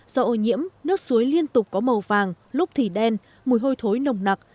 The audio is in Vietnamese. do ô nhiễm nước suối liên tục có màu vàng lúc thì đen mùi hôi thối nồng nặc